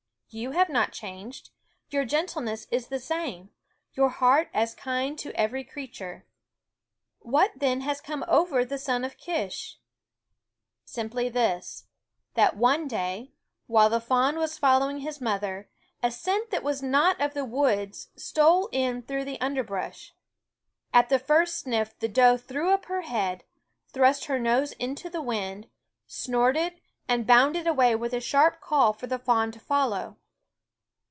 You have not changed ; your gentle ness is the same, your heart as kind to every creature. What then has come over the son of Kish ? Simply this : that one day, while fawn was following his mother, a scent that was not of the woods stole in through the underbrush. At the first sniff the doe threw up her head, thrust her nose into the wind, snorted, and bounded <!,. away with a sharp call for the fawn to follow.